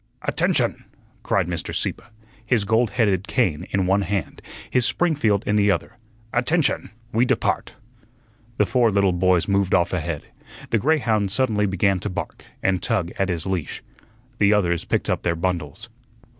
"Attention!" cried Mr. Sieppe, his gold headed cane in one hand, his Springfield in the other. "Attention! We depart." The four little boys moved off ahead; the greyhound suddenly began to bark, and tug at his leash. The others picked up their bundles.